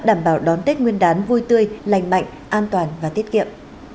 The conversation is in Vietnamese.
đảm bảo đón tết nguyên đán vui tươi lành mạnh an toàn và tiết kiệm